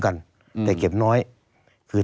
ตั้งแต่ปี๒๕๓๙๒๕๔๘